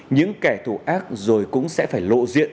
những kẻ thù ác rồi cũng sẽ phải lộ diện